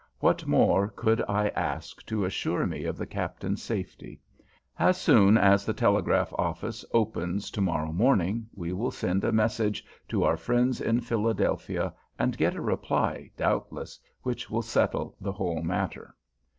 What more could I ask to assure me of the Captain's safety? As soon as the telegraph office opens tomorrow morning we will send a message to our friends in Philadelphia, and get a reply, doubtless, which will settle the whole matter.